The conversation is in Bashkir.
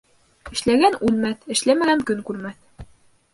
Эшләгән үлмәҫ, эшләмәгән көн күрмәҫ.